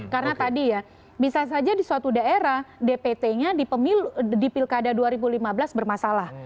karena tadi ya bisa saja di suatu daerah dpt nya di pilkada dua ribu lima belas bermasalah